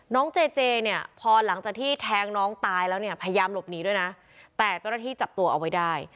เจเจเนี่ยพอหลังจากที่แทงน้องตายแล้วเนี่ยพยายามหลบหนีด้วยนะแต่เจ้าหน้าที่จับตัวเอาไว้ได้